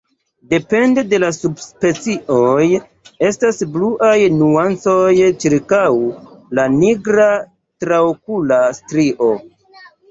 Depende de la subspecioj estas bluaj nuancoj ĉirkaŭ la nigra traokula strio.